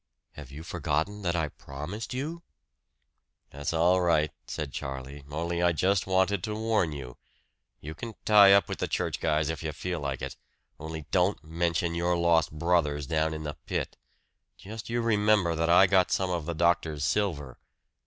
"Have you forgotten that I promised you?" "That's all right," said Charlie, "only I just wanted to warn you. You can tie up with the church guys if you feel like it only don't mention your lost brothers down in the pit. Just you remember that I got some of the doctor's silver."